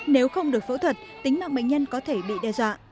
nếu không được phẫu thuật tính mạng bệnh nhân có thể bị đe dọa